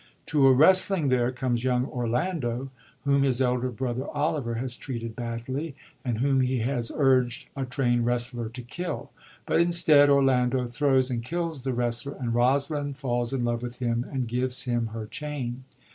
To a wrestling there, comes young Orlando, whom his elder brother Oliver has treated badly, and whom he has urged a traiud wrestler to kill ; but instead, Orlando throws and kills the wrestler, and Rosalind falls in love with him and gives liim her chain.